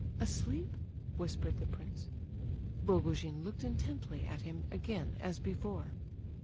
"Asleep?" whispered the prince. Rogojin looked intently at him again, as before.